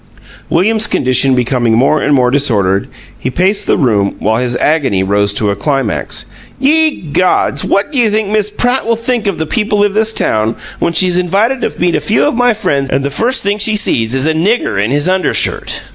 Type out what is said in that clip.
William's condition becoming more and more disordered, he paced the room, while his agony rose to a climax. "Ye gods! What do you think Miss Pratt will think of the people of this town, when she's invited to meet a few of my friends and the first thing she sees is a nigger in his undershirt?